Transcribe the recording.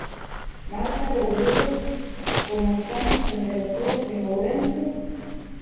Marta Rodríguez, como están as temperaturas en Ourense...